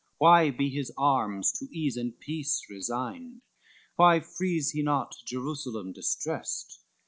Why be his arms to ease and peace resigned? Why frees he not Jerusalem distrest?